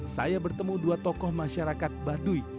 saya bertemu dua tokoh masyarakat baduy